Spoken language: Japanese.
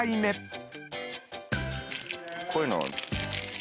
こういうの。